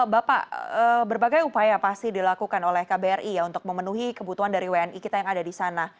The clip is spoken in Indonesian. bapak berbagai upaya pasti dilakukan oleh kbri ya untuk memenuhi kebutuhan dari wni kita yang ada di sana